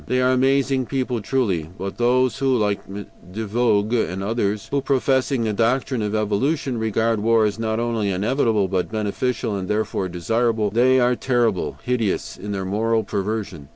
They are amazing people truly, but those who, like De Vogüé and others, who, professing the doctrine of evolution, regard war as not only inevitable, but beneficial and therefore desirable they are terrible, hideous, in their moral perversion.